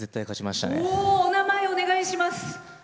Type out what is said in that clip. お名前、お願いします。